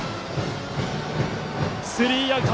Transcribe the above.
スリーアウト。